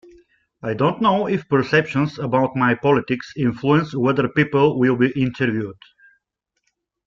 I don't know if perceptions about my politics influence whether people will be interviewed.